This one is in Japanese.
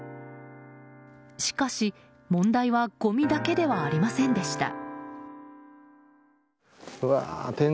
しかし、問題はごみだけではありませんでした。